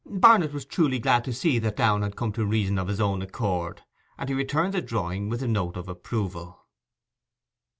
Barnet was truly glad to see that Downe had come to reason of his own accord; and he returned the drawing with a note of approval.